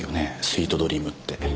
スイートドリームって。